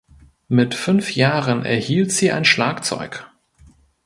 Mit fünf Jahren erhielt sie ein Schlagzeug.